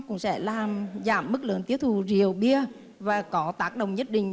cũng sẽ giảm mức lượng tiết thù rượu bia và có tác động nhất định